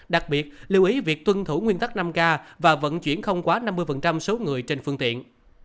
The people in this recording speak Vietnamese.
đặc biệt lưu ý việc tuân thủ nguyên tắc năm k và vận chuyển không quá năm mươi số người trên phương tiện